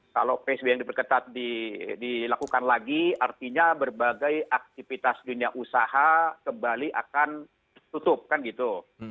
kalau psbb diperketat dilakukan lagi artinya berbagai aktivitas dunia usaha kembali akan tutup kan gitu